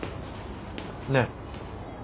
ねえ。